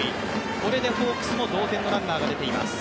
これでホークスも同点のランナーが出ています。